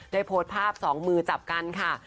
โพสต์ภาพสองมือจับกันค่ะ